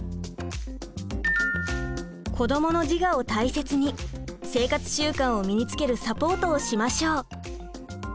子どもの自我を大切に生活習慣を身につけるサポートをしましょう。